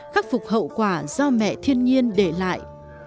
khắc phục hậu quả do mẹ thiên nhiên để lại